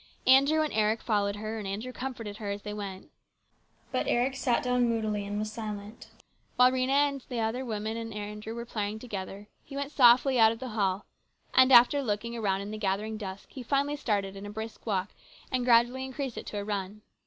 Andrew and Eric followed her, and Andrew comforted her as they went. But Eric sat down moodily and was silent ; while Rhena and some of the other women and Andrew were praying together, he went softly out of the hall, and after looking around in the gathering dusk he finally started in a brisk walk and gradually increased it to a run.